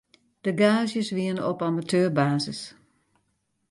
De gaazjes wienen op amateurbasis.